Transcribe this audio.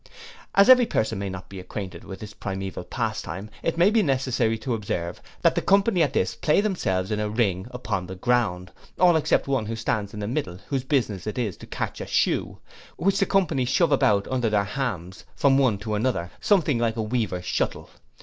As every person may not be acquainted with this primaeval pastime, it may be necessary to observe, that the company at this play themselves in a ring upon the ground, all, except one who stands in the middle, whose business it is to catch a shoe, which the company shove about under their hams from one to another, something like a weaver's shuttle.